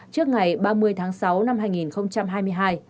trước ngày ba mươi tháng sáu năm hai nghìn hai mươi hai